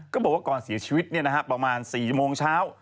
บอกว่าก่อนเสียชีวิตประมาณ๔โมงเช้า